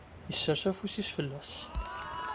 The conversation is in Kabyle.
Isers afus-is fell-as.